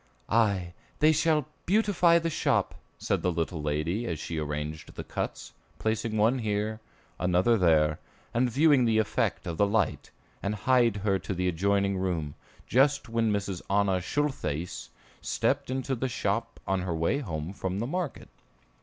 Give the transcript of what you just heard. "Aye, they shall beautify the shop," said the little lady as she arranged the cuts, placing one here, another there, and viewing the effect of the light, and hied her to the adjoining room, just when Mrs. Anna Schultheiss stepped into the shop on her way home from market.